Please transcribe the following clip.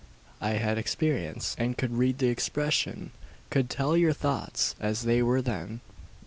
I had experience, and could read the expression could tell your thoughts, as they were then.